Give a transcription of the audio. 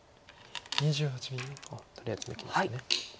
とりあえず抜きました。